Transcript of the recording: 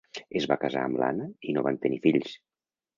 Es va casar amb l"Anna i no van tenir fills.